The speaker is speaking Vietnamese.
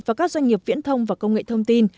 và các doanh nghiệp viễn thông và công nghệ thông tin